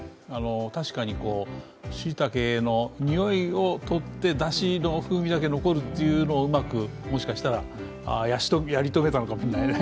確かに、しいたけのにおいをとってだしの風味だけ残るというのをうまく、もしかしたら成し遂げたのかもしれないね。